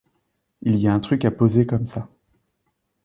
Il y a un truc à poser comme ça